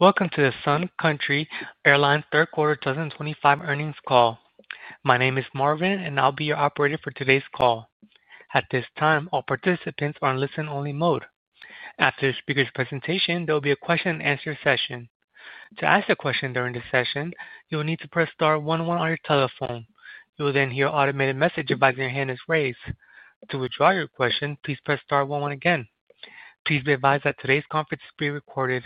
Welcome to the Sun Country Airlines third quarter 2025 earnings call. My name is Marvin and I will be your operator for today's call. At this time, all participants are in listen-only mode. After the speaker's presentation, there will be a question and answer session. To ask a question during the session, you will need to press star one one on your telephone. You will then hear an automated message advising your hand is raised. To withdraw your question, please press star one one again. Please be advised that today's conference is being recorded.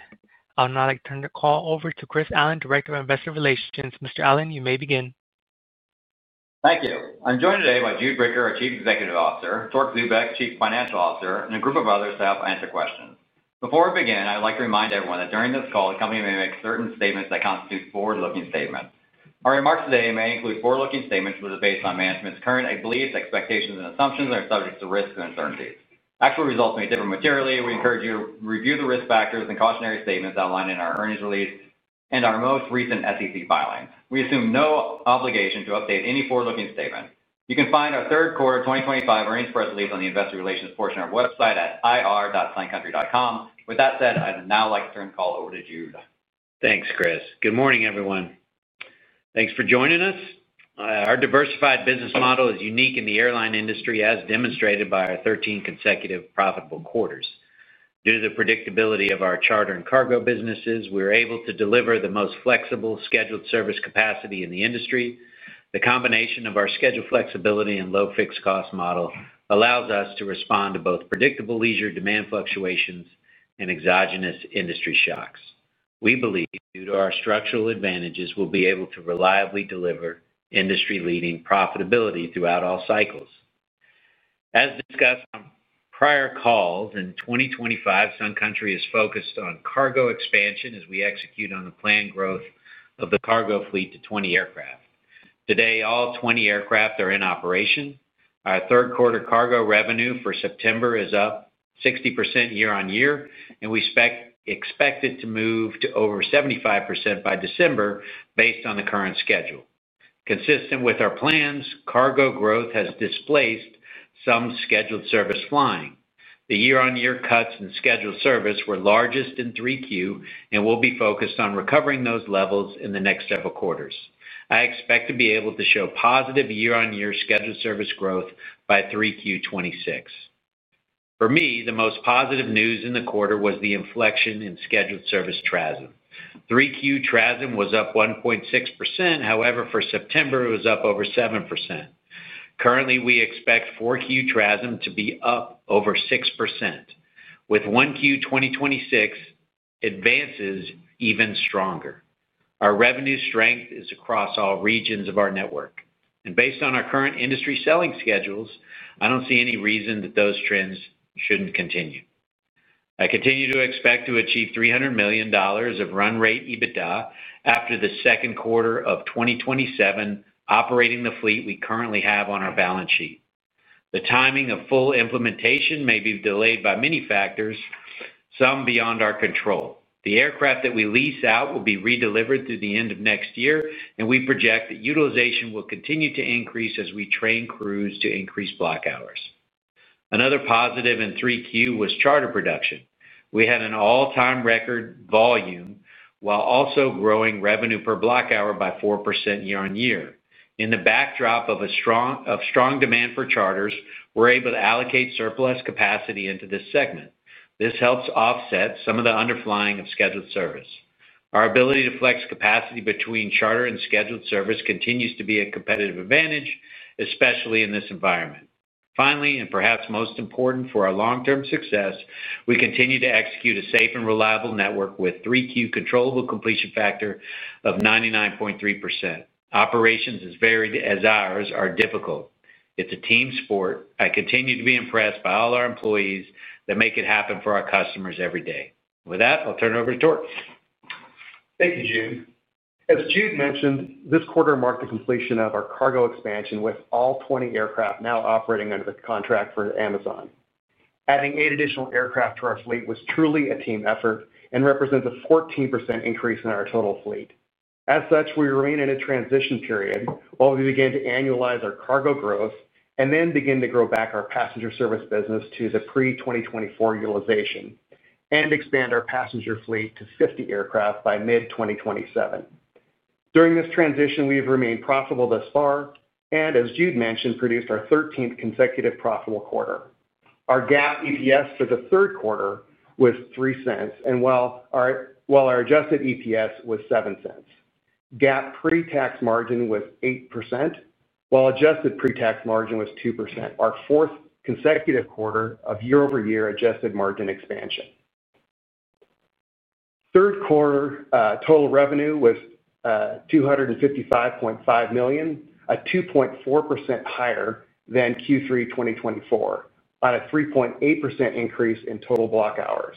I would now like to turn the call over to Chris Allen, Director of Investor Relations. Mr. Allen, you may begin. Thank you. I'm joined today by Jude Bricker, our Chief Executive Officer, Torque Zubeck, Chief Financial Officer, and a group of others to help answer questions. Before we begin, I'd like to remind everyone that during this call the company may make certain statements that constitute forward-looking statements. Our remarks today may include forward-looking statements, which are based on management's current beliefs, expectations, and assumptions, and are subject to risks and uncertainties. Actual results may differ materially we encourage you to review the risk factors and cautionary statements outlined in our earnings release and our most recent SEC filings. We assume no obligation to update any forward-looking statement. You can find our third quarter 2025 earnings press release on the investor relations portion of our website at ir.suncountry.com. With that said, I'd now like to turn the call over to Jude. Thanks, Chris. Good morning, everyone. Thanks for joining us. Our diversified business model is unique in the airline industry as demonstrated by our 13 consecutive profitable quarters. Due to the predictability of our charter and cargo businesses, we are able to deliver the most flexible scheduled service capacity in the industry. The combination of our scheduled flexibility and low fixed cost model allows us to respond to both predictable leisure demand fluctuations and exogenous industry shocks. We believe due to our structural advantages, we'll be able to reliably deliver industry-leading profitability throughout all cycles. As discussed on prior calls, in 2025, Sun Country is focused on cargo expansion as we execute on the planned growth of the cargo fleet to 20 aircraft. Today, all 20 aircraft are in operation. Our third quarter cargo revenue for September is up 60% year-on-year and we expect it to move to over 75% by December based on the current schedule. Consistent with our plans, cargo growth has displaced some scheduled service flying. The year-on-year cuts in scheduled service were largest in 3Q and we'll be focused on recovering those levels in the next several quarters. I expect to be able to show positive year-on-year scheduled service growth by 3Q 2026. For me, the most positive news in the quarter was the inflection in scheduled service TRASM. 3Q TRASM was up 1.6%, however, for September it was up over 7%. Currently, we expect 4Q TRASM to be up over 6% with 1Q 2026 advances even stronger. Our revenue strength is across all regions of our network and based on our current industry selling schedules, I don't see any reason that those trends shouldn't continue. I continue to expect to achieve $300 million of run rate EBITDA after the second quarter of 2027 operating the fleet we currently have on our balance sheet. The timing of full implementation may be delayed by many factors, some beyond our control. The aircraft that we lease out will be redelivered through the end of next year and we project that utilization will continue to increase as we train crews to increase block hours. Another positive in 3Q was charter production. We had an all-time record volume while also growing revenue per block hour by 4% year-on-year. In the backdrop of strong demand for charters, we're able to allocate surplus capacity into this segment. This helps offset some of the underlying of scheduled service. Our ability to flex capacity between charter and scheduled service continues to be a competitive advantage, especially in this environment. Finally, and perhaps most important for our long-term success, we continue to execute a safe and reliable network with 3Q controllable completion factor of 99.3%. Operations as varied as ours are difficult. It's a team sport. I continue to be impressed by all our employees that make it happen for our customers every day. With that I'll turn it over to Torque. Thank you, Jude. As Jude mentioned, this quarter marked the completion of our cargo expansion with all 20 aircraft now operating under the contract for Amazon. Adding eight additional aircraft to our fleet was truly a team effort and represents a 14% increase in our total fleet. As such, we remain in a transition period while we begin to annualize our cargo growth and then begin to grow back our passenger service business to the pre-2024 utilization and expand our passenger fleet to 50 aircraft by mid-2027. During this transition, we have remained profitable thus far and, as Jude mentioned, produced our 13th consecutive profitable quarter. Our GAAP EPS for the third quarter was $0.03, and while our adjusted EPS was $0.07, GAAP pre-tax margin was 8% while adjusted pre-tax margin was 2%. Our fourth consecutive quarter of year-over-year adjusted margin expansion, third quarter total revenue was $255.5 million, a 2.4% higher than Q3 2024 on a 3.8% increase in total block hours.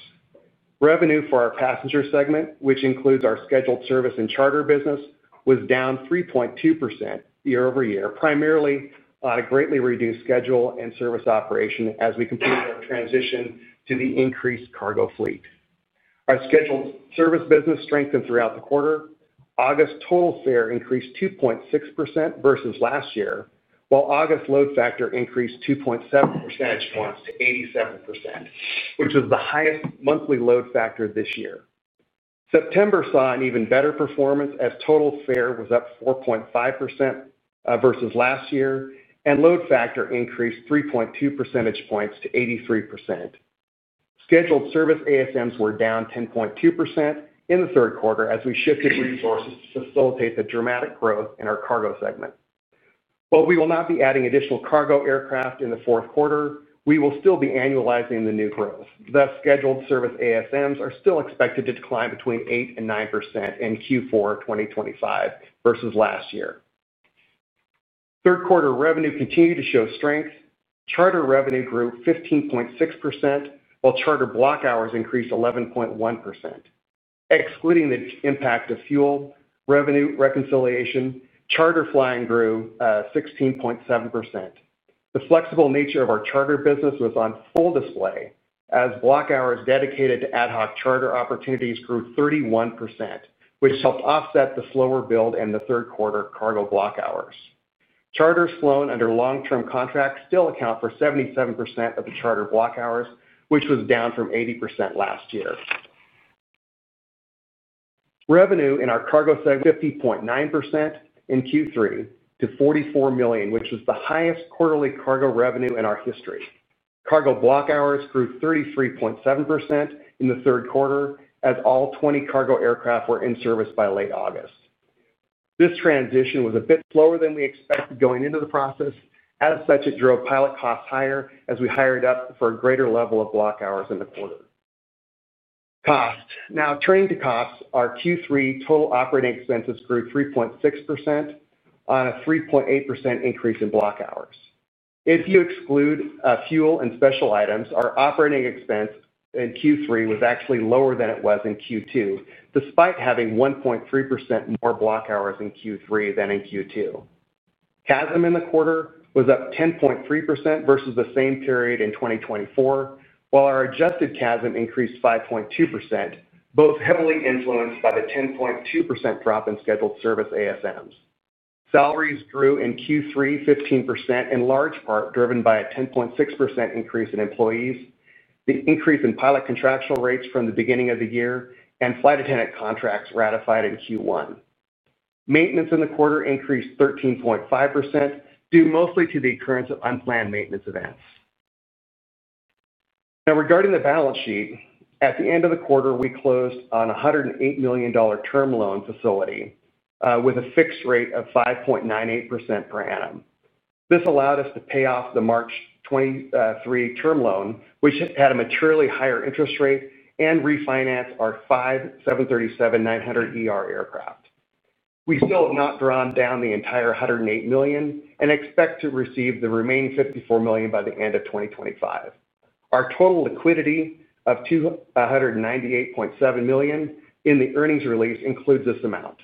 Revenue for our passenger segment, which includes our scheduled service and charter business, was down 3.2% year-over-year, primarily on a greatly reduced scheduled service operation. As we completed our transition to the increased cargo fleet, our scheduled service business strengthened throughout the quarter. August total fare increased 2.6% versus last year while August load factor increased 2.7 percentage points to 87%, which was the highest monthly load factor this year. September saw an even better performance as total fare was up 4.5% versus last year and load factor increased 3.2 percentage points to 83%. Scheduled service ASMs were down 10.2% in the third quarter as we shifted resources to facilitate the dramatic growth in our cargo segment. While we will not be adding additional cargo aircraft in the fourth quarter, we will still be annualizing the new growth. Thus, scheduled service ASMs are still expected to decline between 8% and 9% in Q4 2025 versus last year. Third quarter revenue continued to show strength. Charter revenue grew 15.6% while charter block hours increased 11.1%. Excluding the impact of fuel revenue reconciliation, charter flying grew 16.7%. The flexible nature of our charter business was on full display as block hours dedicated to ad hoc charter opportunities grew 31%, which helped offset the slower build in the third quarter. Cargo block hours, charters flown under long-term contracts, still account for 77% of the charter block hours, which was down from 80% last year. Revenue in our cargo segment grew 50.9% in Q3 to $44 million, which was the highest quarterly cargo revenue in our history. Cargo block hours grew 33.7% in the third quarter as all 20 cargo aircraft were in service by late August. This transition was a bit slower than we expected going into the process. As such, it drove pilot costs higher as we hired up for a greater level of block hours in the quarter. Now turning to costs, our Q3 total operating expenses grew 3.6% on a 3.8% increase in block hours. If you exclude fuel and special items, our operating expense in Q3 was actually lower than it was in Q2 despite having 1.3% more block hours in Q3 than in Q2. CASM in the quarter was up 10.3% versus the same period in 2024, while our adjusted CASM increased 5.2%, both heavily influenced by the 10.2% drop in scheduled service ASMs. Salaries grew in Q3 15% in large part driven by a 10.6% increase in employees, the increase in pilot contractual rates from the beginning of the year, and flight attendant contracts ratified in Q1. Maintenance in the quarter increased 13.5% due mostly to the occurrence of unplanned maintenance events. Now regarding the balance sheet, at the end of the quarter we closed on a $108 million term loan facility with a fixed rate of 5.98% per annum. This allowed us to pay off the March 23rd term loan which had a materially higher interest rate and refinance our five 737-900ER aircraft. We still have not drawn down the entire $108 million and expect to receive the remaining $54 million by the end of 2025. Our total liquidity of $298.7 million in the earnings release includes this amount.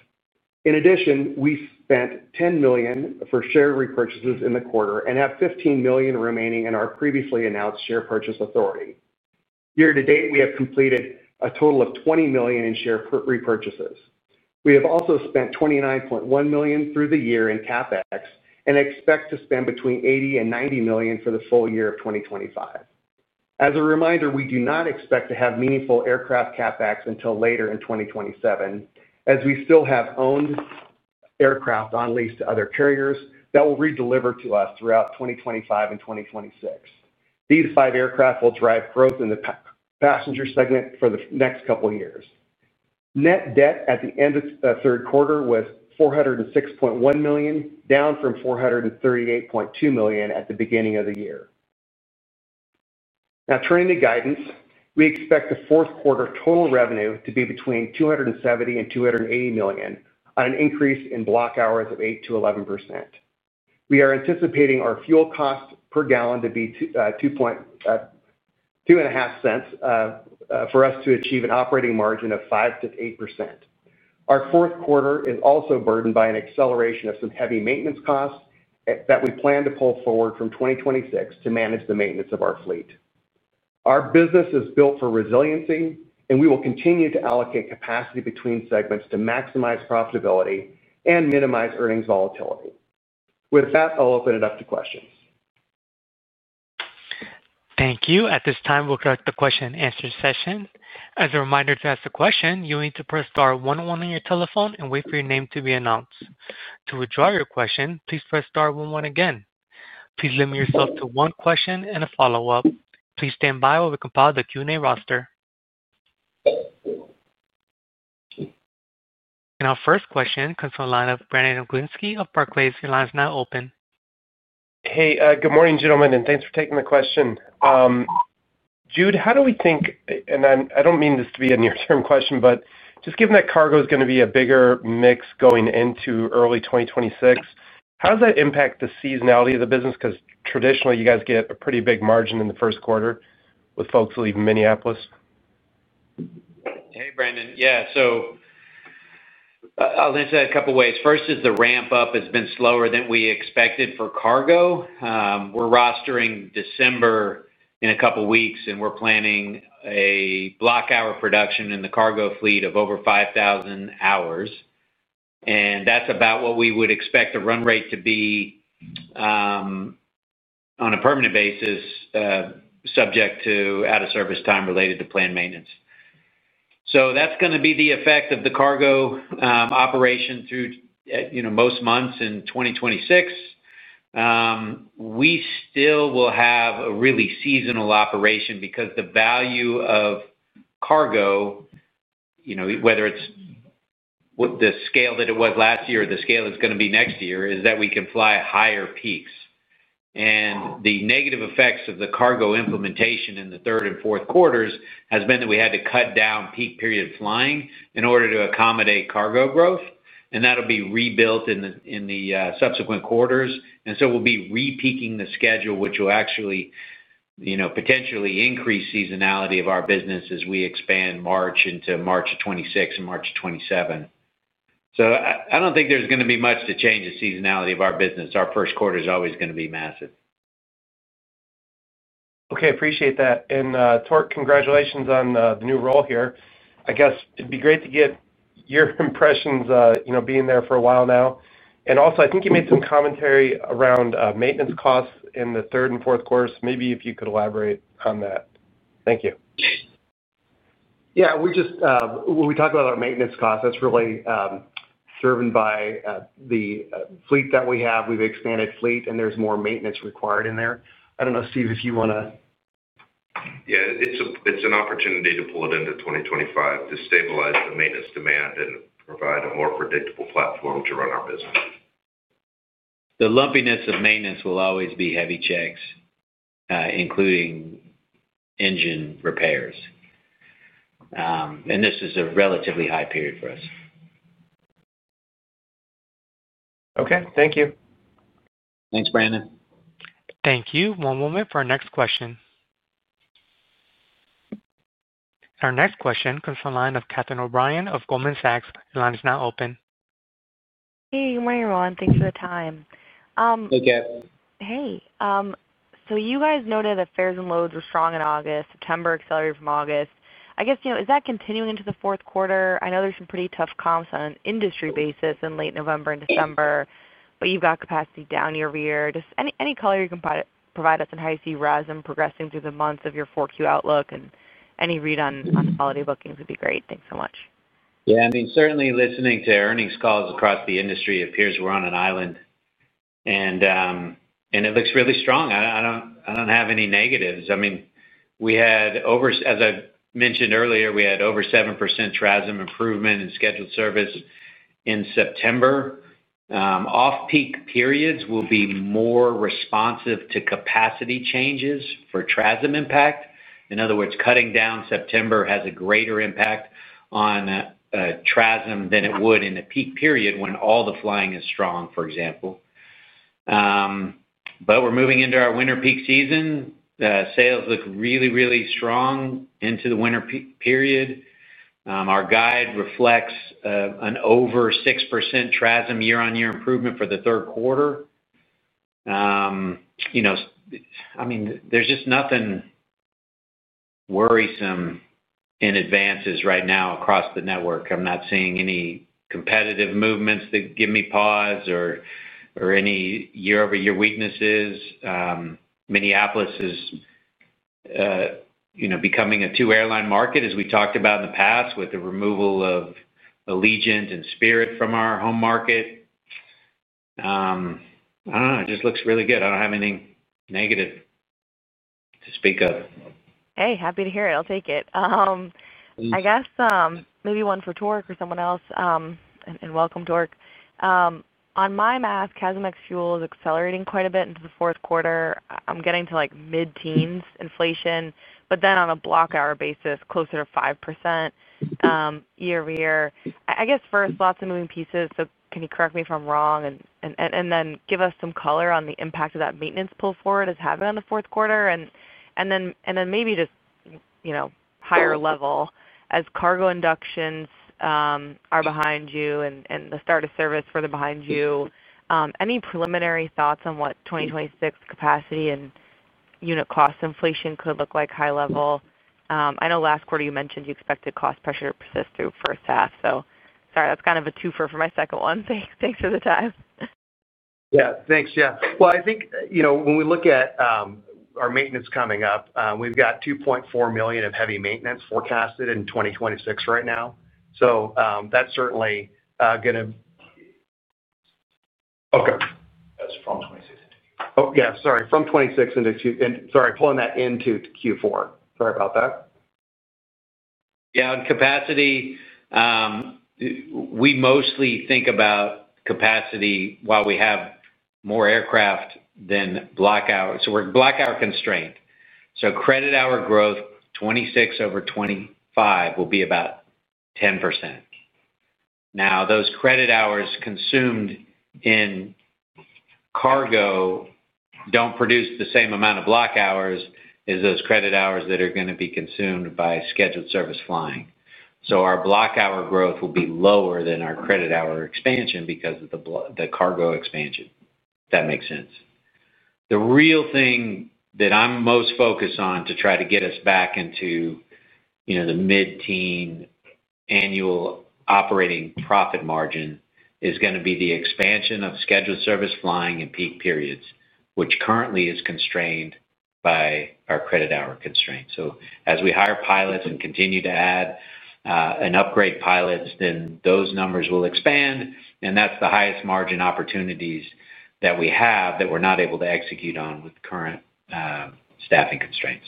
In addition, we spent $10 million for share repurchases in the quarter and have $15 million remaining in our previously announced Share Purchase Authority. Year to date we have completed a total of $20 million in share repurchases. We have also spent $29.1 million through the year in CapEx and expect to spend between $80 million and $90 million for the full year of 2025. As a reminder, we do not expect to have meaningful aircraft CapEx until later in 2027 as we still have owned aircraft on lease to other carriers that will redeliver to us throughout 2025 and 2026. These five aircraft will drive growth in the passenger segment for the next couple years. Net debt at the end of the third quarter was $406.1 million, down from $438.2 million at the beginning of the year. Now turning to guidance, we expect the fourth quarter total revenue to be between $270 million and $280 million on an increase in block hours of 8% - 11%. We are anticipating our fuel cost per gallon to be $2.50 for us to achieve an operating margin of 5% - 8%. Our fourth quarter is also burdened by an acceleration of some heavy maintenance costs that we plan to pull forward from 2026 to manage the maintenance of our fleet. Our business is built for resiliency, and we will continue to allocate capacity between segments to maximize profitability and minimize earnings volatility. With that, I'll open it up to questions. Thank you. At this time, we'll conduct the question and answer session. As a reminder, to ask a question, you need to press star one one on your telephone and wait for your name to be announced. To withdraw your question, please press star one one. Again, please limit yourself to one question and a follow-up. Please stand by while we compile the Q&A roster. Our first question comes from Brandon Oglenski of Barclays. Your line is now open. Hey, good morning, gentlemen, and thanks for taking the question. Jude, how do we think, and I don't mean this to be a near term question, but just given that cargo is going to be a bigger mix going into early 2026, how does that impact the seasonality of the business? Because traditionally you guys get a pretty big margin in the first quarter with folks leaving Minneapolis. Hey, Brandon. Yeah, I'll answer that a couple ways. First is the ramp up has been slower than we expected for cargo. We're rostering December in a couple weeks, and we're planning a block hour production in the cargo fleet of over 5,000 hours. That's about what we would expect the run rate to be on a permanent basis, subject to out of service time related to planned maintenance. That's going to be the effect of the cargo operation through most months. In 2026, we still will have a really seasonal operation because the value of cargo, whether it's with the scale that it was last year or the scale it's going to be next year, is that we can fly higher peaks. The negative effects of the cargo implementation in the third and fourth quarters have been that we had to cut down peak period flying in order to accommodate cargo growth. That'll be rebuilt in the subsequent quarters. We'll be repeating the schedule, which will actually potentially increase seasonality of our business as we expand March into March 2026 and March 2027. I don't think there's going to be much to change the seasonality of our business. Our first quarter is always going to be massive. Okay, appreciate that. Torque, congratulations on the new role here. I guess it would be great to get your impressions being there for a while now. I think you made some commentary around maintenance costs in the third and fourth quarters. Maybe if you could elaborate on that. Thank you. Yeah. When we talk about our maintenance costs, that's really served by the fleet that we have. We've expanded fleet and there's more maintenance required in there. I don't know, Steve, if you want to. Yeah. It's an opportunity to pull it in to 2025 to stabilize the maintenance demand and provide a more predictable platform to run our business. The lumpiness of maintenance will always be heavy checks, including engine repairs. This is a relatively high period for us. Okay, thank you. Thanks Brandon. Thank you. One moment for our next question. Our next question comes from the line of Catherine O'Brien of Goldman Sachs. The line is now open. Hey, good morning everyone. Thanks for the time. Hey Cath. Hey, you guys noted that fares and loads were strong in August. September accelerated from August, I guess. Is that continuing into the fourth quarter? I know there's some pretty tough comps on an industry basis in late November and December, but you've got capacity down year-over-year. Any color you can provide us on how you see RASM progressing through the months of your 4Q outlook, and any read on holiday bookings would be great. Thanks so much. Yeah, I mean certainly listening to earnings calls across the industry, it appears we're on an island and it looks really strong. I don't have any negatives. I mean, we had over, as I mentioned earlier, we had over 7% TRASM improvement in scheduled service in September. Off peak periods will be more responsive to capacity changes for TRASM impact. In other words, cutting down September has a greater impact on TRASM than it would in a peak period when all the flying is strong, for example. We're moving into our winter peak season. Sales look really, really strong into the winter period. Our guide reflects an over 6% TRASM year-on-year improvement for the third quarter. You know, I mean there's just nothing worrisome in advances right now across the network. I'm not seeing any competitive movements that give me pause or any year-over-year weaknesses. Minneapolis is becoming a two airline market as we talked about in the past with the removal of Allegiant and Spirit Airlines from our home market. I don't know, it just looks really good. I don't have anything negative to speak of. Hey, happy to hear it. I'll take it. I guess maybe one for Torque or someone else. And welcome Torque. On my math, CASM ex fuel is accelerating quite a bit into the fourth quarter. I'm getting to like mid teens inflation but then on a block hour basis closer to 5% year-over-year, I guess. First, lots of moving pieces. Can you correct me if I'm wrong and then give us some color on the impact that maintenance pull forward is having on the fourth quarter, and then maybe just higher level as cargo inductions are behind you and the start of service further behind you. Any preliminary thoughts on what 2026 capacity and unit cost inflation could look like? High level. I know last quarter you mentioned you expected cost pressure to persist through first half, so sorry, that's kind of a twofer for my second one. Thanks for the time. Yeah, thanks, Cath. I think, you know, when we look at our maintenance coming up, we've got $2.4 million of heavy maintenance forecasted in 2026 right now. That's certainly going to. Okay, that's from 26 into. Oh yeah, sorry. From 26 into Q4. Sorry about that. Yeah. Capacity. We mostly think about capacity while we have more aircraft than blackout, so we're blackout constrained. Credit hour growth 2026 over 2025 will be about 10%. Now, those credit hours consumed in cargo don't produce the same amount of block hours as those credit hours that are going to be consumed by scheduled service flying. Our block hour growth will be lower than our credit hour expansion because of the cargo expansion. That makes sense. The real thing that I'm most focused on to try to get us back into the mid-teen annual operating profit margin is going to be the expansion of scheduled service flying in peak periods, which currently is constrained by our credit hour constraint. As we hire pilots and continue to add and upgrade pilots, then those numbers will expand and that's the highest margin opportunities that we have that we're not able to execute on with current staffing constraints.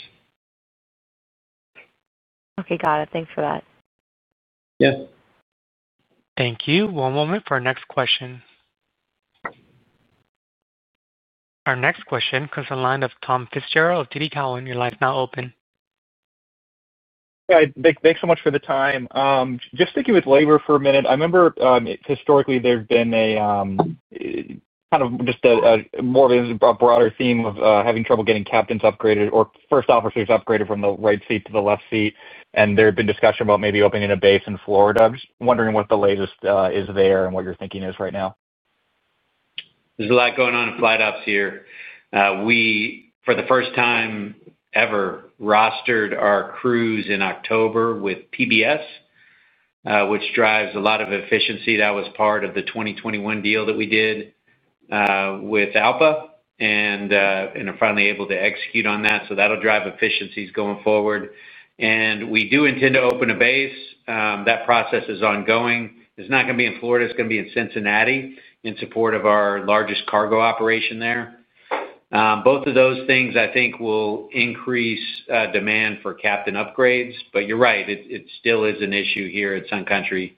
Okay, got it. Thanks for that. Yep. Thank you. One moment for our next question. Our next question comes in line of Tom Fitzgerald of TD Cowen. Your line is now open. Thanks so much for the time. Just sticking with labor for a minute, I remember historically there's been a kind of just more of a broader theme of having trouble getting captains upgraded or first officers upgraded from the right seat to the left seat. And there had been discussion about maybe opening a base in Florida. Just wondering what the latest is there, and what your thinking is right now. There's a lot going on in flight ops here. We for the first time ever rostered our crews in October with PBS, which drives a lot of efficiency. That was part of the 2021 deal that we did with ALPA and are finally able to execute on that. That'll drive efficiencies going forward. We do intend to open a base. That process is ongoing. It's not going to be in Florida, it's going to be in Cincinnati in support of our largest cargo operation there. Both of those things I think will increase demand for captain upgrades. You're right, it still is an issue here at Sun Country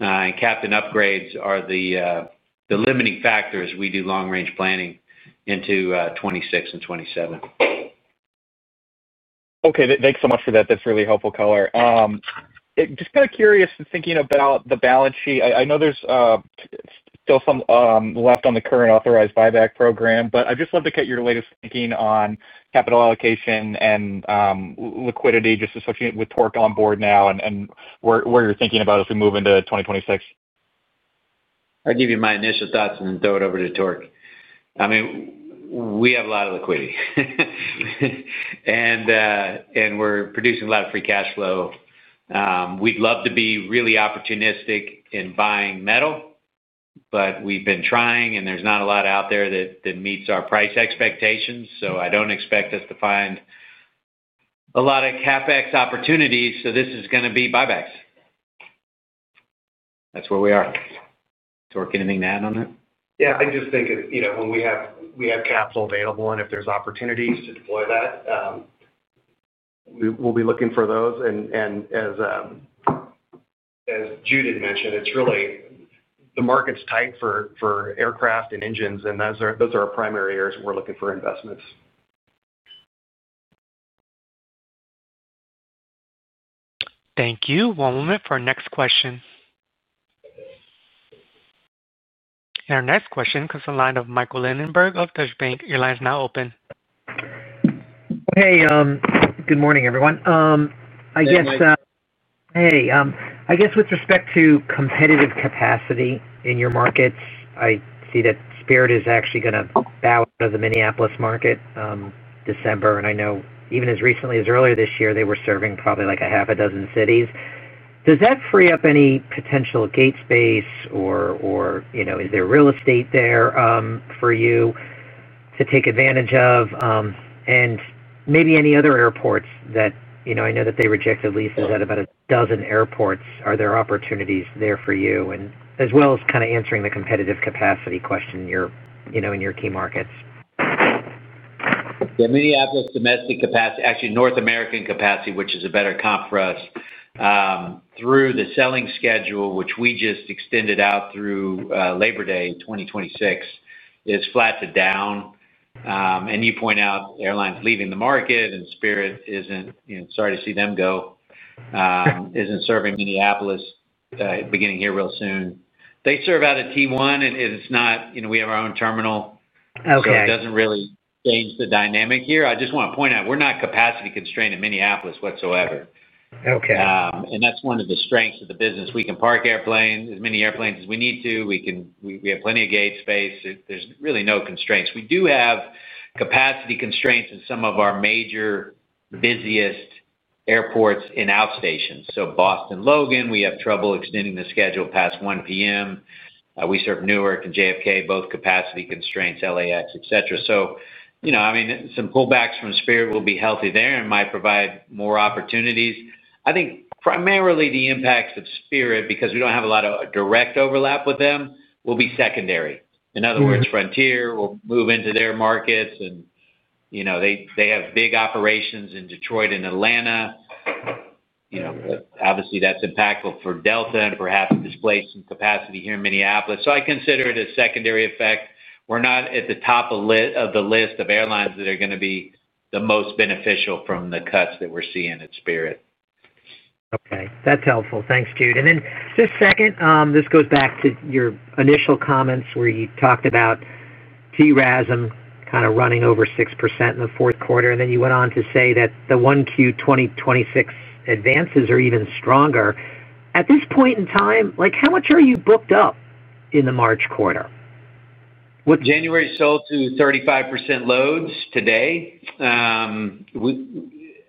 and captain upgrades are the limiting factors. We do long range planning into 2026 and 2027. Okay, thanks so much for that. That's really helpful color. Just kind of curious thinking about the balance sheet. I know there's still some left on the current authorized buyback program, but I'd just love to get your latest thinking on capital allocation and liquidity just associated with Torque on board now and where you're thinking about as we move into 2026. I'll give you my initial thoughts and then throw it over to Torque. I mean, we have a lot of liquidity and we're producing a lot of free cash flow. We'd love to be really opportunistic in buying metal, but we've been trying and there's not a lot out there that meets our price expectations. I don't expect us to find a lot of CapEx opportunities. This is going to be buybacks. That's where we are. Torque, anything to add on that? I just think, you know, when we have capital available and if there's opportunities to deploy that, we will be looking for those and as Jude had mentioned, it's really the market's tight for aircraft and engines, and those are our primary areas. We're looking for investments. Thank you. One moment for our next question. Our next question comes in the line of Michael Linenberg of Deutsche Bank. Your line is now open. Hey, good morning, everyone. I guess with respect to competitive capacity in your markets, I see that Spirit is actually going to out of the Minneapolis market December. I know even as recently as earlier this year they were serving probably like a half a dozen cities. Does that free up any potential gatespace, or is there real estate there for you to take advantage of? And maybe any other airports that I know that they rejected leases at about a dozen airports. Are there opportunities there for you? And as well as kind of answering the competitive capacity question in your key markets. The Minneapolis domestic capacity, actually North American capacity, which is a better comp for us through the selling schedule, which we just extended out through Labor Day 2026, is flat to down. You point out airlines leaving the market and Spirit isn't sorry to see them go, is in serving Minneapolis beginning here real soon. They serve out of T1 and it's not, you know, we have our own terminal. It doesn't really change the dynamic here. I just want to point out we're not capacity constrained in Minneapolis whatsoever. Okay. That's one of the strengths of the business. We can park airplanes, as many airplanes as we need too. We can. We have plenty of gate space. There's really no constraints. We do have capacity constraints in some of our major, busiest airports in outstation. Boston Logan, we have trouble extending the schedule past 1:00 P.M. We serve Newark and JFK both. Capacity constraints, LAX, etc. Some pullbacks from Spirit will be healthy there and might provide more opportunities. I think primarily the impacts of Spirit, because we don't have a lot of direct overlap with them, will be secondary. In other words, Frontier will move into their markets and they have big operations in Detroit and Atlanta. Obviously that's impactful for Delta and perhaps displacement capacity here in Minneapolis. I consider it a secondary effect. We're not at the top of the list of airlines that are going to be the most beneficial from the cuts that we're seeing at Spirit. Okay, that's helpful. Thanks, Jude. And then just second, this goes back to your initial comments where you talked about TRASM kind of running over 6% in the fourth quarter then nyou went on to say that the 1Q 2026 advances are even stronger at this point in time, like, how much are you booked up in the March quarter? January sold to 35% loads today.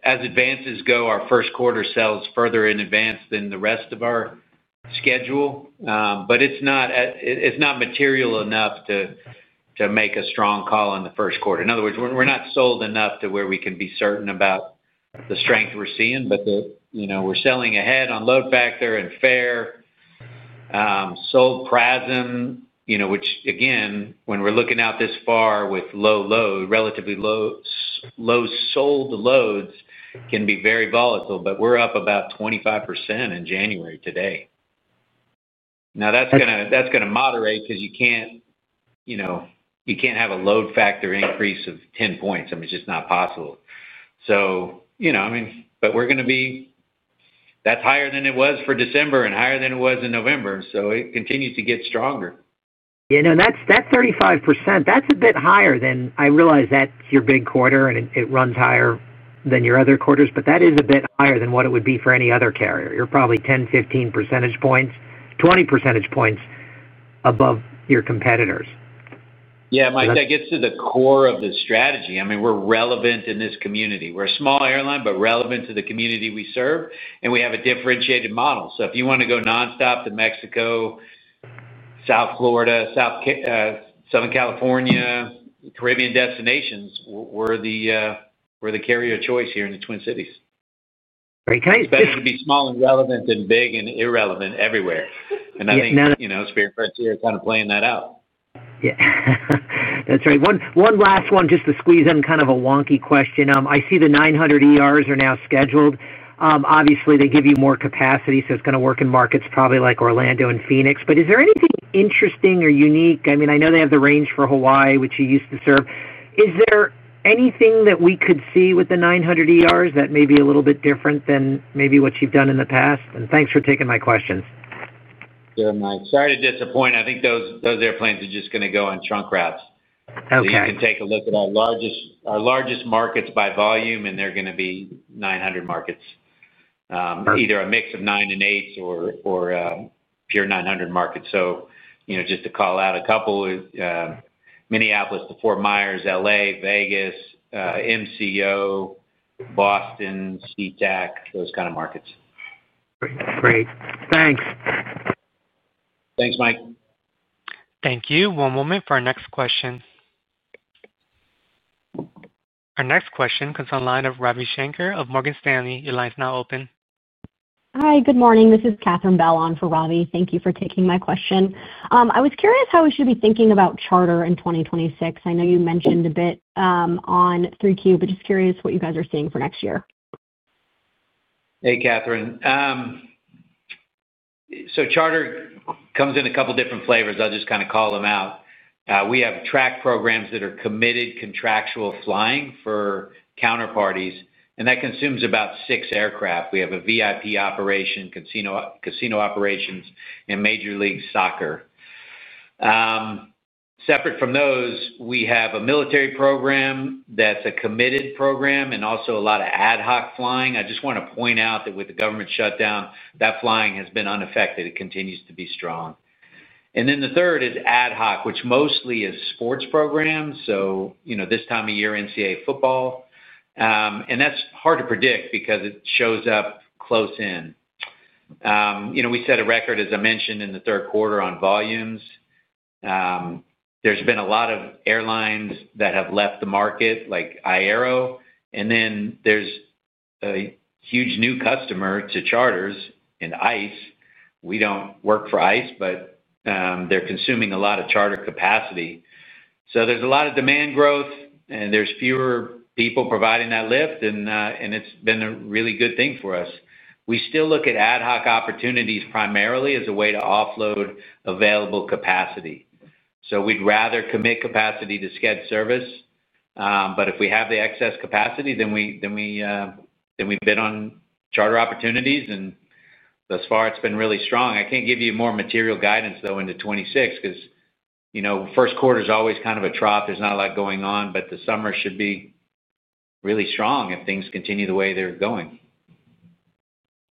As advances go, our first quarter sells further in advance than the rest of our schedule, but it's not material enough to make a strong call in the first quarter. In other words, we're not sold enough to where we can be certain about the strength we're seeing. We're selling ahead on load factor and fare sold PRASM, which again, when we're looking out this far with relatively low sold loads, can be very volatile. We're up about 25% in January today. Now, that's going to moderate because you can't have a load factor increase of 10 points. I mean, it's just not possible. We're going to be higher than it was for December and higher than it was in November. It continues to get stronger. That 35%. That's a bit higher than I realize that your big quarter, it runs higher than your other quarters but that is a bit higher than what it would be for any other carrier. You're probably 10, 15 percentage points, 20 percentage points above your competitors. Yeah, Mike, that gets to the core of the strategy. I mean, we're relevant in this community. We're a small airline, but relevant to the community we serve, and we have a differentiated model. If you want to go nonstop to Mexico, South Florida, Southern California, Caribbean destinations, we're the carrier of choice here in the Twin Cities. It's better to be small and relevant than big and irrelevant everywhere. I think Spirit and Frontier are kind of playing that out. That's right. One last one, just to squeeze in. Kind of a wonky question. I see the 900ers are now scheduled. Obviously, they give you more capacity, so it's going to work in markets probably like Orlando and Phoenix, is there anything interesting or unique? I mean, I know they have the range for Hawaii, which you used to serve. Is there anything that we could see with the 900ers that may be a little bit different than maybe what you've done in the past? Thanks for taking my questions. Sorry to disappoint. I think those airplanes are just going to go on trunk wraps. Okay. And you can take a look at our largest markets by volume. They're going to be 900 markets, either a mix of 9 and 8 or pure 900 market. Just to call out a couple, Minneapolis to Fort Myers, Louisiana, Vegas, MCO, Boston, SEA-TAC, those kind of markets. Great, thanks. Thanks, Mike. Thank you. One moment for our next question. Our next question comes on the line of Ravi Shanker of Morgan Stanley. Your line is now open. Hi, good morning. This is Katherine Bell on for Ravi. Thank you for taking my question. I was curious how we should be thinking about charter in 2026. I know you mentioned a bit on 3Q, but just curious what you guys are seeing for next year. Hey, Katherine. Charter comes in a couple different flavors. I'll just kind of call them out. We have track programs that are committed contractual flying for counterparties, and that consumes about six aircraft. We have a VIP operation, casino operations, and Major League Soccer separate from those. We have a military program that's a committed program and also a lot of ad hoc flying. I just want to point out that with the government shutdown, that flying has been unaffected. It continues to be strong. The third is ad hoc, which mostly is sports programs. This time of year, NCAA football, and that's hard to predict because it shows up close in. We set a record, as I mentioned, in the third quarter on volumes. There have been a lot of airlines that have left the market like Iero, and then there's a huge new customer to charters in ICE. We don't work for ICE, but they're consuming a lot of charter capacity. There's a lot of demand growth and there's fewer people providing that lift. It's been a really good thing for us. We still look at ad hoc opportunities primarily as a way to offload available capacity. We'd rather commit capacity to scheduled service, but if we have the excess capacity, then we bid on charter opportunities. Thus far it's been really strong. I can't give you more material guidance though into 2026 because first quarter is always kind of a trough. There's not a lot going on, but the summer should be really strong if things continue the way they're going.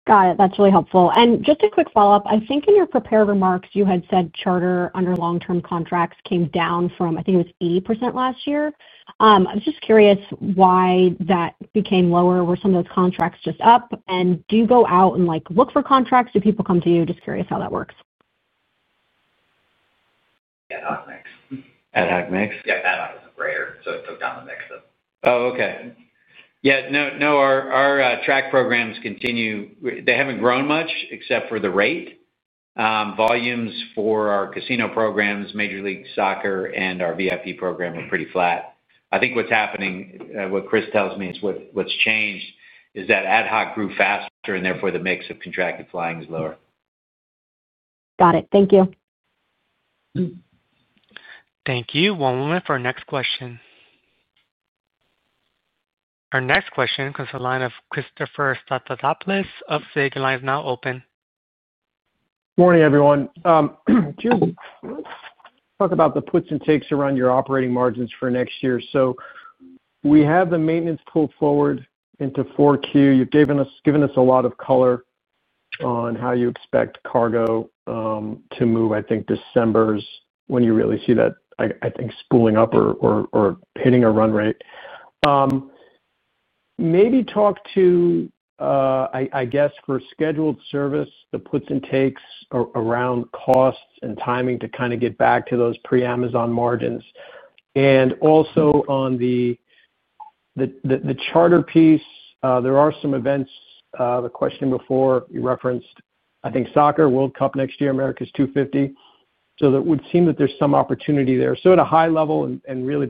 Got it. That's really helpful. Just a quick follow up. I think in your prepared remarks you had said charter under long term contracts came down from, I think it was 80% last year. I was just curious why that became lower. Were some of those contracts just up and do you go out and look for contracts? Do people come to you? Just curious how that works. Ad hoc mix. Ad hoc mix, yeah. Ad hoc was a grayer, so it took down the mix. Oh, okay. Yeah. No, our track programs continue. They haven't grown much except for the rate volumes for our casino programs. Major League Soccer and our VIP program are pretty flat. I think what's happening, what Chris tells me is what's changed is that ad hoc grew faster and therefore the mix of contracted flying is lower. Got it. Thank you. Thank you. One moment for our next question. Our next question comes from the line of Christopher Stathoulopoulos of SIG. The line is now open. Morning everyone. Talk about the puts and takes around your operating margins for next year. We have the maintenance pulled forward into 4Q. You've given us a lot of color on how you expect cargo to move. I think December's when you really see that, I think spooling up or hitting a run rate. Maybe talk to, I guess for scheduled service, the puts and takes around costs and timing to kind of get back to those pre-Amazon margins. Also, on the charter piece, there are some events the question before you referenced, I think soccer World Cup next year, America's 250. That would seem that there's some opportunity there. At a high level, really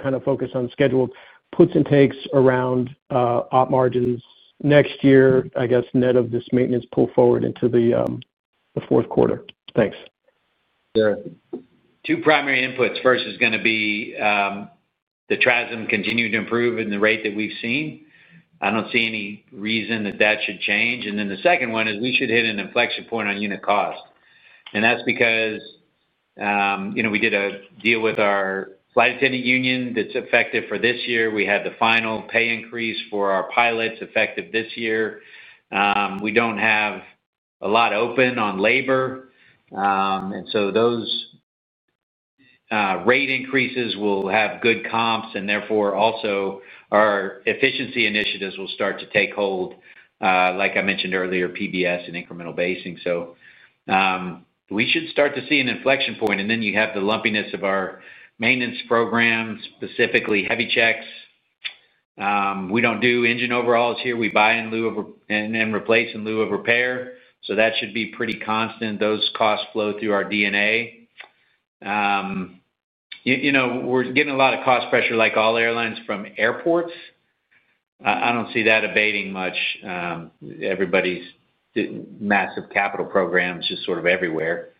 kind of focus on scheduled puts and takes around op margins next year, I guess net of this maintenance pull forward into the fourth quarter. Thanks. Two primary inputs. First, is going to be the TRASM continuing to improve in the rate that we've seen. I don't see any reason that that should change. Then the second one is we should hit an inflection point on unit cost. That's because we did a deal with our flight attendant union that's effective for this year. We had the final pay increase for our pilots effective this year. We don't have a lot open on labor, and those rate increases will have good comps and therefore also our efficiency initiatives will start to take hold, like I mentioned earlier, PBS and incremental basing. We should start to see an inflection point. You have the lumpiness of our maintenance program, specifically heavy checks. We don't do engine overhauls here. We buy in lieu of and replace in lieu of repair. That should be pretty constant. Those costs flow through our DNA. We're getting a lot of cost pressure like all airlines from airports. I don't see that abating much. Everybody's massive capital programs just sort of everywhere.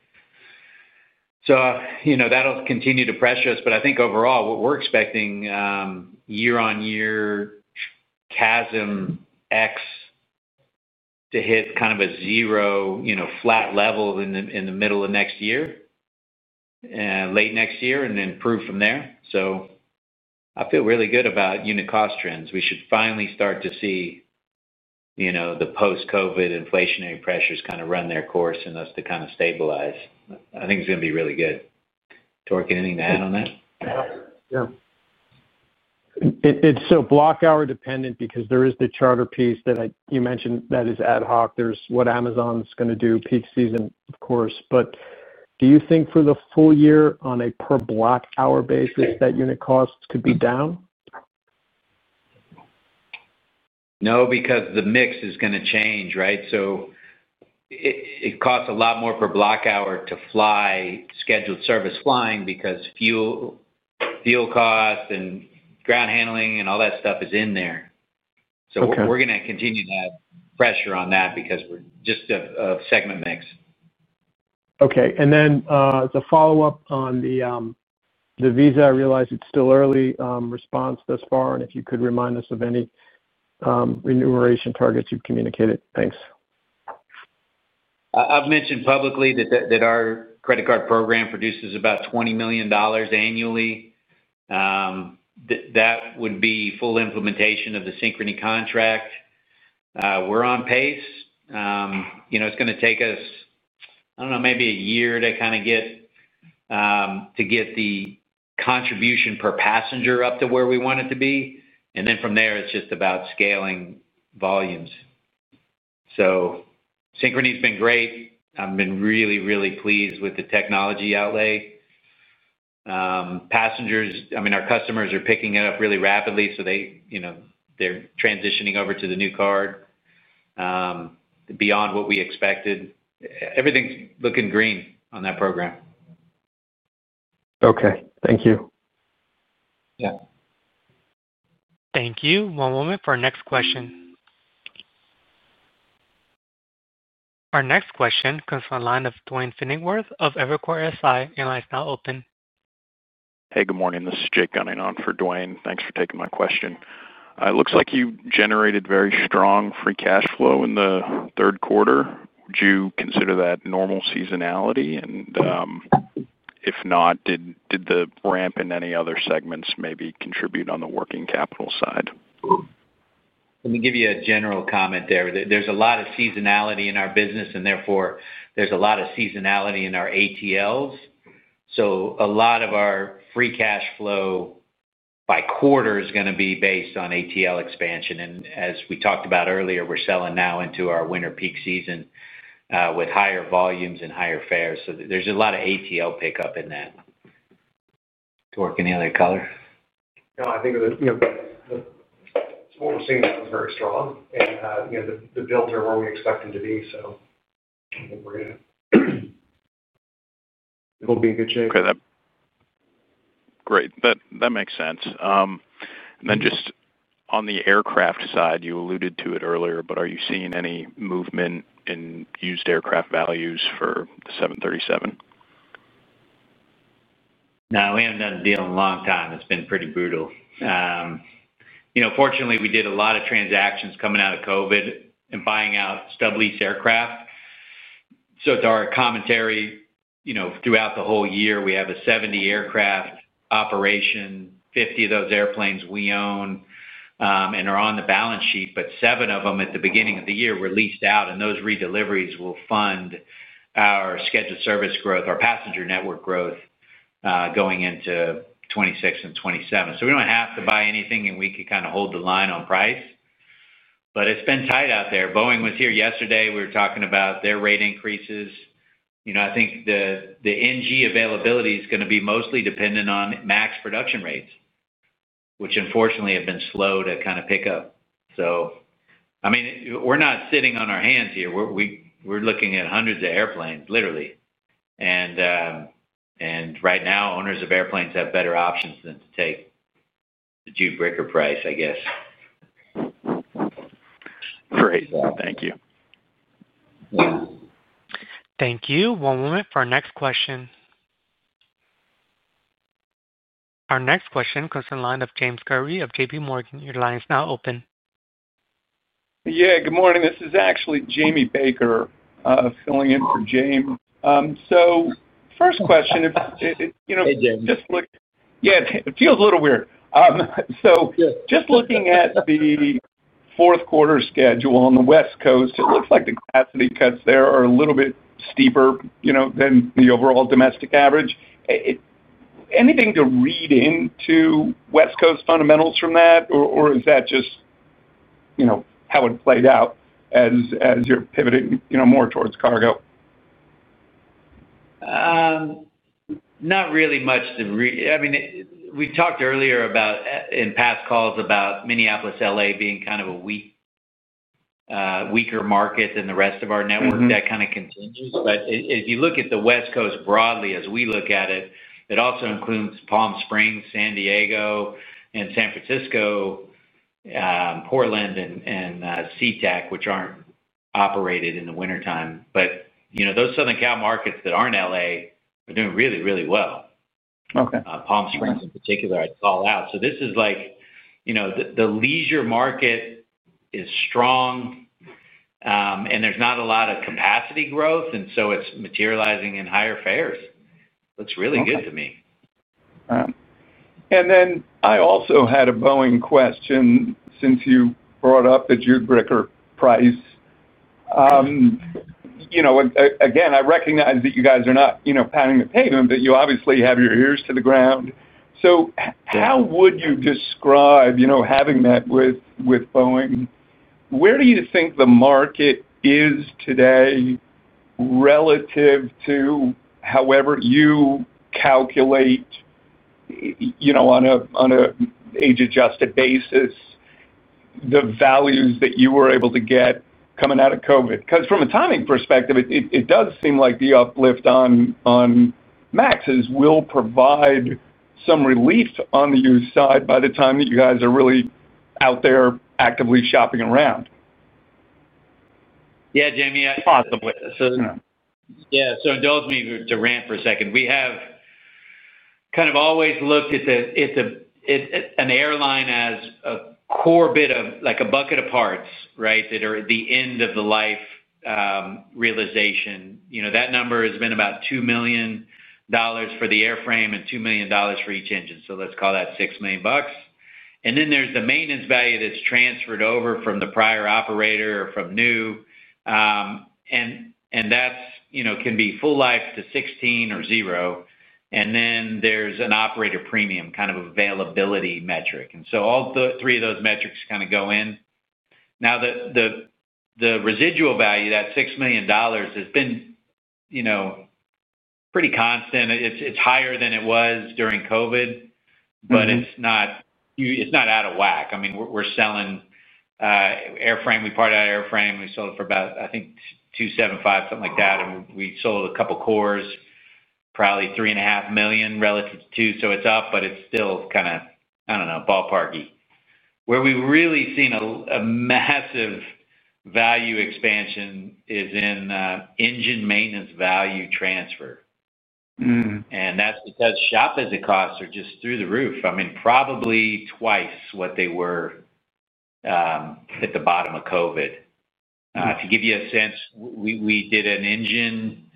That'll continue to pressure us. I think overall we're expecting year-on-year CASM X to hit kind of a zero flat level in the middle of next year, late next year, and then improve from there. I feel really good about unit cost trends. We should finally start to see the post-COVID inflationary pressures kind of run their course and us to kind of stabilize. I think it's going to be really good. Torque, anything to add on that? It's so block hour dependent because there is the charter piece that you mentioned that is ad hoc. There's what Amazon's going to do, peak season, of course. Do you think for the full year on a per block hour basis that unit costs could be down? No, because the mix is going to change. Right. It costs a lot more per block hour to fly scheduled service flying because fuel cost and ground handling and all that stuff is in there. We're going to continue to have pressure on that because we're just a segment mix. Okay. As a follow up on the Visa, I realize it's still early response thus far, and if you could remind us of any remuneration targets you've communicated. Thanks. I've mentioned publicly that our credit card program produces about $20 million annually. That would be full implementation of the Synchrony contract. We're on pace. It's going to take us, I don't know, maybe a year to kind of get the contribution per passenger up to where we want it to be. From there it's just about scaling volumes. Synchrony has been great. I've been really, really pleased with the technology outlay. Passengers, I mean, our customers are picking it up really rapidly. They're transitioning over to the new card beyond what we expected. Everything's looking green on that program. Okay, thank you. Yeah, thank you. One moment for our next question. Our next question comes from the line of Duane Pfennigwerth of Evercore. Your line is now open. Hey, good morning, this is Jake Gunning on for Duane. Thanks for taking my question. It looks like you generated very strong free cash flow in the third quarter? Would you consider that normal seasonality? If not, did the ramp in any other segments maybe contribute on the working capital side? Let me give you a general comment there. There's a lot of seasonality in our business, and therefore there's a lot of seasonality in our ATLs. A lot of our free cash flow by quarter is going to be based on ATL expansion. As we talked about earlier, we're selling now into our winter peak season with higher volumes and higher fares. There's a lot of ATL pickup in that. Torque, any other color? I think what we're seeing now is very strong, and the builds are where we expect them to be, so it'll be in good shape. Okay, great. That makes sense. Just on the aircraft side, you alluded to it earlier, but are you seeing any movement in used aircraft values for the 737? No, we haven't done a deal in a long time. It's been pretty brutal. Fortunately, we did a lot of transactions coming out of COVID and buying out stub lease aircraft. To our commentary, throughout the whole year we have a 70 aircraft operation. 50 of those airplanes we own and are on the balance sheet, but seven of them at the beginning of the year were leased out. Those redeliveries will fund our scheduled service growth, our passenger network growth going into 2026 and 2027. We don't have to buy anything, and we could kind of hold the line on price, but it's been tight out there. Boeing was here yesterday. We were talking about their rate increases. I think the NG availability is going to be mostly dependent on MAX production rates, which unfortunately have been slow to pick up. We're not sitting on our hands here. We're looking at hundreds of airplanes literally. Right now owners of airplanes have better options than to take the Jude Bricker price, I guess. Great, thank you. Thank you. One moment for our next question. Our next question comes in line of James Kirby of JPMorgan. Your line is now open. Good morning. This is actually Jamie Baker filling in for James. First question. It feels a little weird. Just looking at the fourth quarter schedule on the West Coast, it looks like the capacity cuts there are a little bit steeper than the overall domestic average. Anything to read into West Coast fundamentals from that, or is that just how it played out as you're pivoting more towards cargo? Not really much. We talked earlier in past calls about Minneapolis, L.A., being kind of a weaker market than the rest of our network. That kind of continues. If you look at the West Coast broadly as we look at it, it also includes Palm Springs, San Diego, San Francisco, Portland, and SeaTac, which aren't operated in the wintertime. Those Southern Cal markets that are in L.A. are doing really, really well. Palm Springs in particular, I call out. This is like the leisure market is strong and there's not a lot of capacity growth, and it's materializing in higher fares. Looks really good to me. I also had a Boeing question since you brought up the Jude Bricker price. I recognize that you guys are not, you know, pounding the pavement, but you obviously have your ears to the ground. How would you describe, you know, having met with Boeing? Where do you think the market is today relative to however you calculate on an age-adjusted basis the values that you were able to get coming out of COVID? From a timing perspective, it does seem like the uplift on MAXes will provide some relief on the youth side by the time that you guys are really out there actively shopping around. Yeah, Jamie. Yeah. Indulge me to rant for a second. We have kind of always looked at an airline as a core bit of like a bucket of parts, right, that are the end of the life realization. You know, that number has been about $2 million for the airframe and $2 million for each engine. Let's call that $6 million. Then there's the maintenance value that's transferred over from the prior operator or from new, and that can be full life to 16 or 0. There's an operator premium kind of availability metric. All three of those metrics kind of go in now. The residual value, that $6 million, has been pretty constant. It's higher than it was during COVID, but it's not out of whack. I mean, we're selling airframe, we part out airframe, we sold for about, I think, $275,000, something like that. We sold a couple cores, probably $3.5 million relative to $2 million. It's up, but it's still kind of, I don't know, ballparky. Where we've really seen a massive value expansion is in engine maintenance value transfer. That's because shop visit costs are just through the roof, probably twice what they were at the bottom of COVID. To give you a sense, we did an engine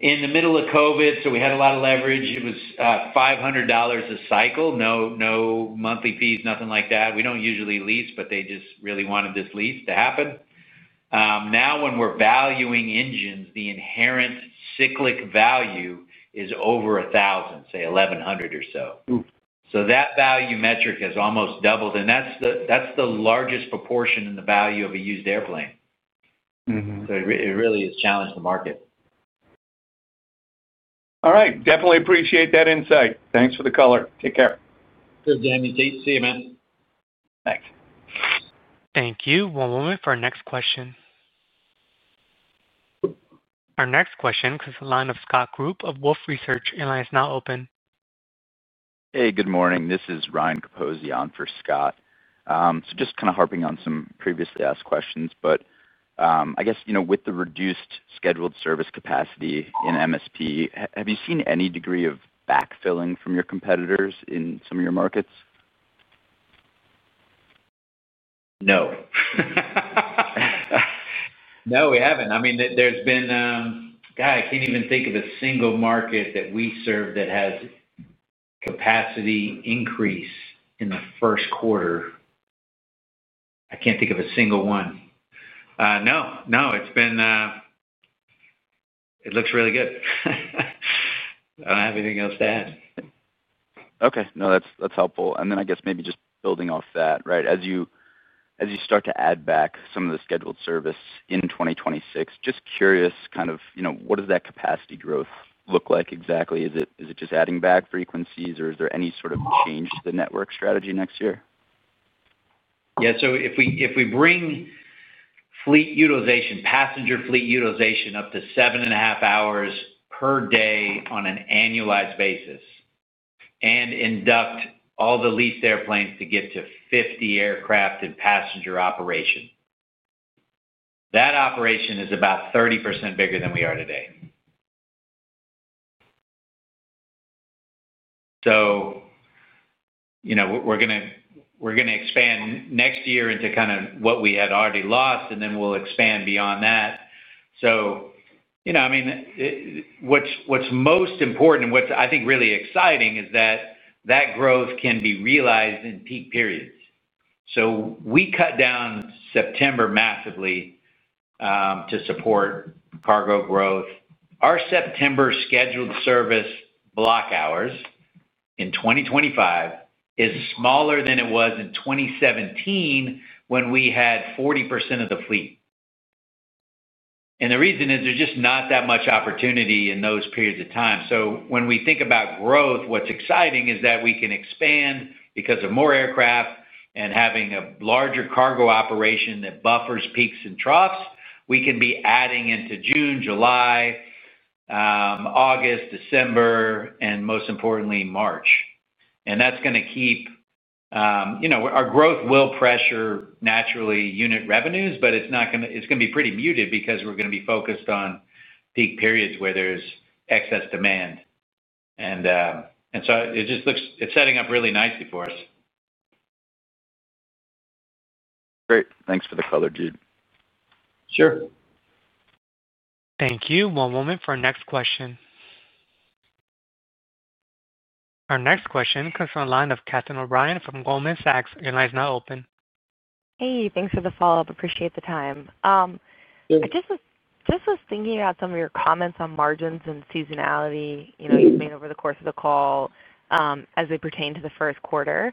in the middle of COVID, so we had a lot of leverage. It was $500 a cycle, no monthly fees, nothing like that. We don't usually lease, but they just really wanted this lease to happen. Now when we're valuing engines, the inherent cyclic value is over $1,000, say $1,100 or so. That value metric has almost doubled. That's the largest proportion in the value of a used airplane. It really has challenged the market. All right, definitely appreciate that insight. Thanks for the color. Take care. Sure, Jaime. Nice to see you, man. Thanks. Thank you. One moment for our next question. Our next question comes from the line of Scott Group of Wolfe Research. Your line is now open. Hey, good morning, this is Ryan Capozzi on for Scott. Just kind of harping on some previously asked questions, but I guess, you know, with the reduced scheduled service capacity in MSP, have you seen any degree of backfilling from your competitors in some of your markets? No, no, we haven't. I mean, there's been, God, I can't even think of a single market that we serve that has capacity increase in the first quarter. I can't think of a single one. No, no, it looks really good. I don't have anything else to add. Okay, no, that's helpful. Maybe just building off that, right, as you start to add back some of the scheduled service in 2026. Just curious, kind of, you know, what does that capacity growth look like exactly? Is it just adding back frequencies or is there any sort of change to the network strategy next year? Yeah, if we bring fleet utilization, passenger fleet utilization, up to 7.5 hours per day on an annualized basis and induct all the leased airplanes to get to 50 aircraft in passenger operation, that operation is about 30% bigger than we are today. You know, we're going to expand next year into kind of what we had already lost, and then we'll expand beyond that. What's most important, what's, I think, really exciting is that that growth can be realized in peak periods. We cut down September massively to support cargo growth. Our September scheduled service block hours in 2025 is smaller than it was in 2017 when we had 40% of the fleet. The reason is there's just not that much opportunity in those periods of time. When we think about growth, what's exciting is that we can expand because of more aircraft and having a larger cargo operation that buffers peaks and troughs. We can be adding into June, July, August, December, and most importantly March. That's going to keep, you know, our growth will pressure naturally unit revenues, but it's not going to, it's going to be pretty muted because we're going to be focused on peak periods where there's excess demand. It just looks, it's setting up really nicely for us. Great. Thanks for the color, Jude. Sure. Thank you. One moment for our next question. Our next question comes from the line of Catherine O'Brien from Goldman Sachs. Your line is now open. Hey, thanks for the follow up. Appreciate the time. I just was thinking about some of your comments on margins and seasonality you've made over the course of the call as they pertain to the first quarter.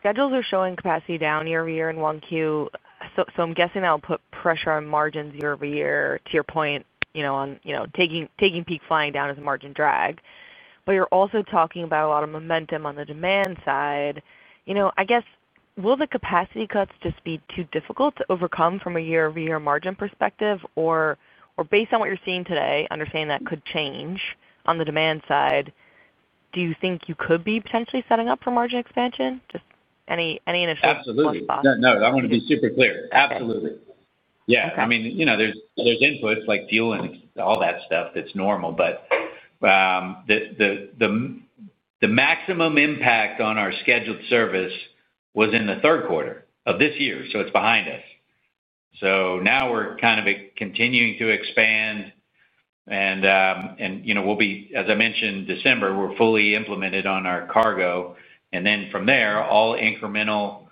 Schedules are showing capacity down year-over-year in 1Q, so I'm guessing that will put pressure on margins year-over-year. To your point, taking peak flying down is a margin drag, but you're also talking about a lot of momentum on the demand side. I guess, will the capacity cuts just be too difficult to overcome from a year-over-year margin perspective, or based on what you're seeing today, understand that could change on the demand side, do you think you could be potentially setting up for margin expansion, just any ineffective. Absolutely. No, I want to be super clear. Absolutely. Yeah. I mean, you know, there's inputs like fuel and all that stuff that's normal. The maximum impact on our scheduled service was in the third quarter of this year. It's behind us. Now we're kind of continuing to expand and, you know, we'll be, as I mentioned, December we're fully implemented on our cargo, and from there all incremental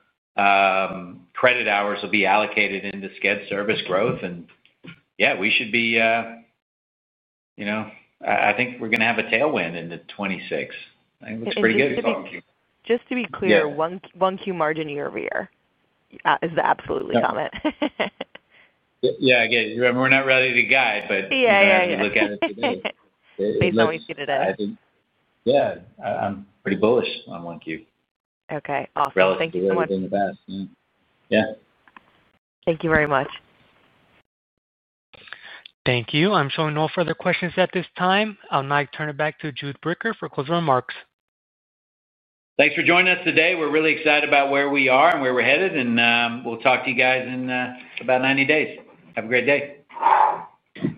credit hours will be allocated into scheduled service growth. Yeah, we should be, you know, I think we're going to have a tailwind in 2026. It looks pretty good. Just to be clear, 1Q margin year-over-year is the absolutely comment. Yeah, we're not ready to guide. Based on what you see today. Yeah, I'm pretty bullish on 1Q. Okay. Awesome. Thank you so much. Yeah. Thank you very much. Thank you. I'm showing no further questions at this time. I'll now turn it back to Jude Bricker for closing remarks. Thanks for joining us today. We're really excited about where we are and where we're headed. We'll talk to you guys in about 90 days. Have a great day.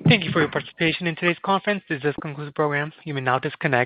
Thank you for your participation in today's conference. This does conclude the program. You may now disconnect.